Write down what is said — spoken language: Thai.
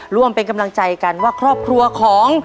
ร่วมเป็นกำลังใจกันว่าครอบครัวของ